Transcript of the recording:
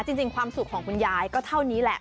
จริงความสุขของคุณยายก็เท่านี้แหละ